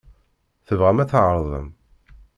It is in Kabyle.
Tebɣam ad tɛerḍem?